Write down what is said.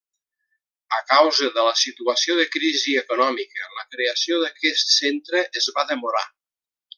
A causa de la situació de crisi econòmica, la creació d'aquest centre es va demorar.